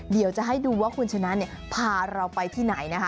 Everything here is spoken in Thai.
เดี๋ยวจะให้ดูว่าคุณชนะพาเราไปที่ไหนนะคะ